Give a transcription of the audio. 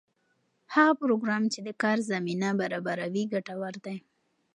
هغه پروګرام چې د کار زمینه برابروي ګټور دی.